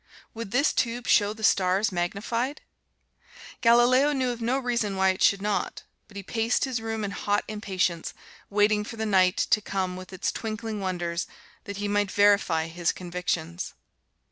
Would this tube show the stars magnified? Galileo knew of no reason why it should not, but he paced his room in hot impatience, waiting for the night to come with its twinkling wonders, that he might verify his convictions.